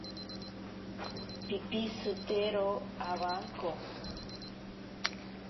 Pipishitero awanko.